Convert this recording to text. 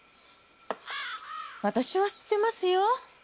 私は知ってますよ。